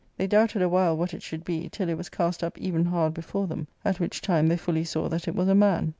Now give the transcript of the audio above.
They doubted a while what it should be, till it" was cast up even hard before them, at which time they fully\ saw that it was a man.